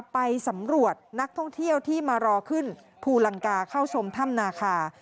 ไปสำรวจนักท่องเที่ยวที่มารอขึ้นภูลังกาเข้าชมถ้ำนาคา